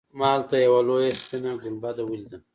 ما هلته یوه لویه سپینه ګنبده ولیده.